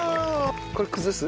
これ崩す？